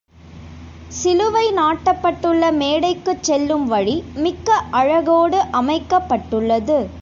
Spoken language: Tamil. சிலுவை நாட்டப்பட்டுள்ள மேடைக்குச் செல்லும் வழி, மிக்க அழகோடு அமைக்கப்பட்டுள்ளது.